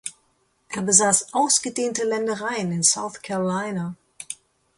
Er besaß ausgedehnte Ländereien in South Carolina.